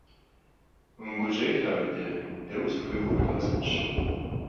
Умыгужьей, тхьэмадэ, дэ узыхуей ухуэдгъэзэнщ.